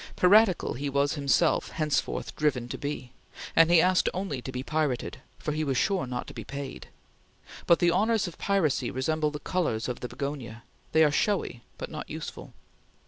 Piratical he was himself henceforth driven to be, and he asked only to be pirated, for he was sure not to be paid; but the honors of piracy resemble the colors of the begonia; they are showy but not useful.